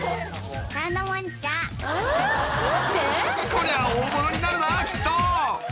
［こりゃ大物になるなきっと］